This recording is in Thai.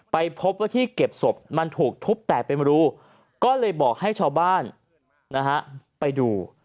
ไปพบว่าที่เก็บศพมันถูกทุบแตกเป็นรูก็เลยบอกให้ชาวบ้านนะฮะไปดู